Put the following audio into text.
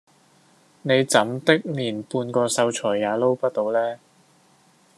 你怎的連半個秀才也撈不到呢